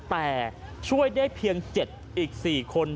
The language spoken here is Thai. แต่ช่วยได้เพียง๗อีก๔คน